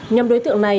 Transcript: nhóm đối tượng này